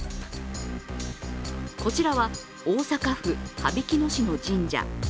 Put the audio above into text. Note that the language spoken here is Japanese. こちらは大阪府羽曳野市の神社。